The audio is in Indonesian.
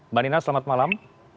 mbak dinar selamat malam